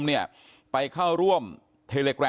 สวัสดีคุณผู้ชมครับสวัสดีคุณผู้ชมครับ